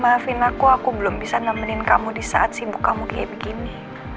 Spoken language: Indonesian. maafin aku aku belum bisa nemenin kamu di saat sibuk kamu kayak begini